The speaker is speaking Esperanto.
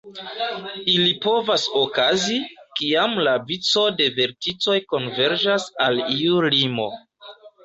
Ili povas okazi, kiam la vico de verticoj konverĝas al iu limo.